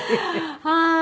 はい。